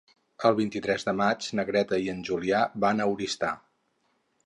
El vint-i-tres de maig na Greta i en Julià van a Oristà.